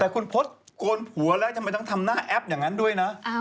แต่คุณโพสต์โกนผัวแล้วทำไมต้องทำหน้าแอปอย่างนั้นด้วยนะ